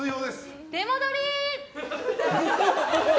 出戻り！